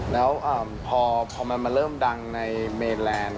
แล้วพอมันมาเริ่มดังในเมแลนด์